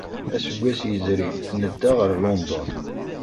Aseggas yezrin, nedda ɣer London.